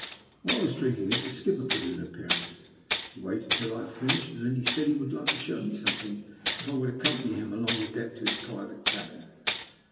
While I was drinking it, the skipper put in an appearance. He waited until I had finished, and then said he would like to show me something if I would accompany him along the deck to his private cabin.